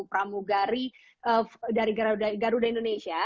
pramugari dari garuda indonesia